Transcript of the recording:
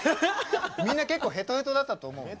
みんな結構ヘトヘトだったと思うの。